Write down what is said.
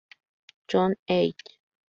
John Eye.